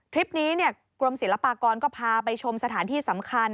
คลิปนี้กรมศิลปากรก็พาไปชมสถานที่สำคัญ